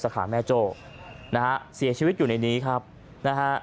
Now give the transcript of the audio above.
ขาแม่โจ้นะฮะเสียชีวิตอยู่ในนี้ครับนะฮะ